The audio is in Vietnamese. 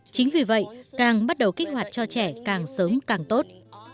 chính vì vậy càng bắt đầu kích hoạt cho trẻ càng sớm càng tốt